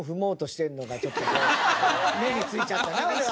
目についちゃったな俺は。